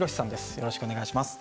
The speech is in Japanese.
よろしくお願いします。